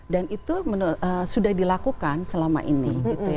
dan itu sudah dilakukan selama ini